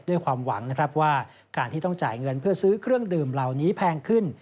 ด้วยความหวังนะครับว่าการที่ต้องจ่ายเงินเพื่อซื้อเครื่องดื่มเหล่านี้แพงขึ้น